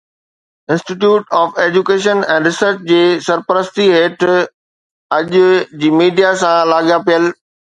institute of education and research جي سرپرستي هيٺ اڄ جي ميڊيا سان لاڳاپيل